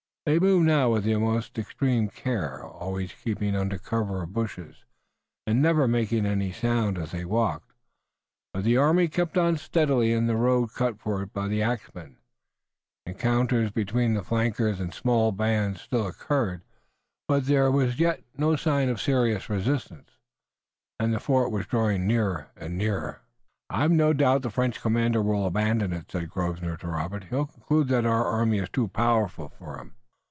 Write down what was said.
They moved now with the most extreme care, always keeping under cover of bushes, and never making any sound as they walked, but the army kept on steadily in the road cut for it by the axmen. Encounters between the flankers and small bands still occurred, but there was yet no sign of serious resistance, and the fort was drawing nearer and nearer. "I've no doubt the French commander will abandon it," said Grosvenor to Robert. "He'll conclude that our army is too powerful for him."